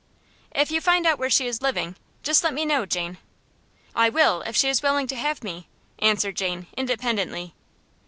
"If you find out where she is living, just let me know, Jane." "I will if she is willing to have me," answered Jane, independently.